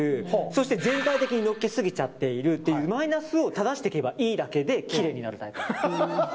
そして全体的にのっけすぎちゃっているというマイナスを正していけばいいだけできれいになるタイプ。